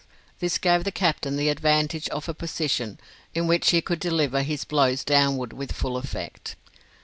This gave the captain the advantage of a position in which he could deliver his blows downward with full effect.